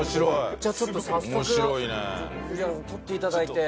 じゃちょっと早速宇治原さん取っていただいて。